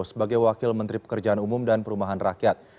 sebagai wakil menteri pekerjaan umum dan perumahan rakyat